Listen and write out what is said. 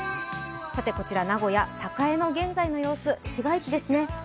こちら名古屋・栄の現在の様子、市街地ですね。